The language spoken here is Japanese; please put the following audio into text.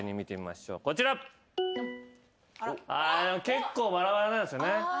結構バラバラなんですよね。